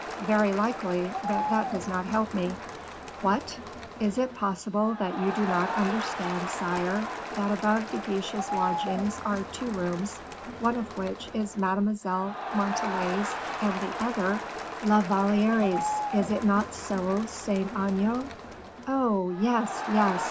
"Very likely; but that does not help me." "What! is it possible that you do not understand, sire, that above De Guiche's lodgings are two rooms, one of which is Mademoiselle Montalais's, and the other " "La Valliere's, is it not so, Saint Aignan? Oh! yes, yes.